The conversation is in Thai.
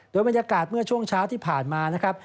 โดยบรรยากาศเมื่อช่วงเช้าที่ผ่านมานะครับ